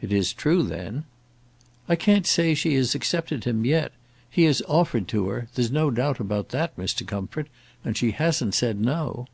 "It is true, then?" "I can't say she has accepted him yet. He has offered to her; there's no doubt about that, Mr. Comfort, and she hasn't said him no."